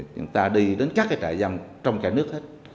chúng ta đi đến các trại giam trong cả nước